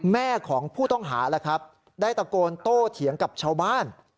แม่ของผู้ต้องหาแล้วครับได้ตะโกนโต้เถียงกับชาวบ้าน